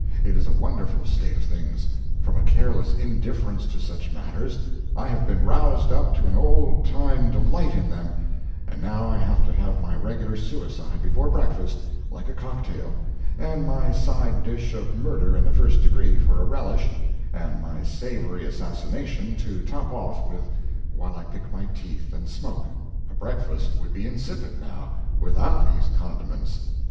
It is a wonderful state of things. From a careless indifference to such matters, I have been roused up to an old time delight in them, and now I have to have my regular suicide before breakfast, like a cocktail, and my side dish of murder in the first degree for a relish, and my savory assassination to top off with while I pick my teeth and smoke. A breakfast would be insipid, now, without these condiments.